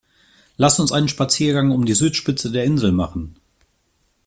Lass uns einen Spaziergang um die Südspitze der Insel machen!